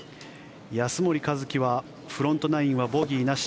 安森一貴はフロントナインはボギーなし。